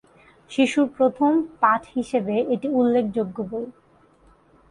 শিশুর প্রথম পাঠ হিসেবে এটি উল্লেখযোগ্য বই।